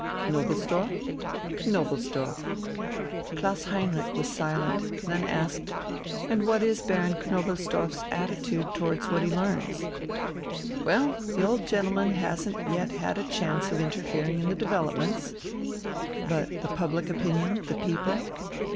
"Knobelsdorff?" "Knobelsdorff." Klaus Heinrich was silent; then asked: "And what is Baron Knobelsdorff's attitude towards what he learns?" "Well, the old gentleman hasn't yet had a chance of interfering in the developments." "But the public opinion? the people?"